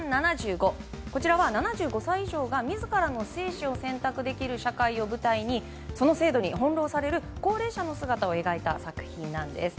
こちらは７５歳以上が自らの生死を選択できる社会を舞台にその制度に翻弄される高齢者の姿を描いた作品なんです。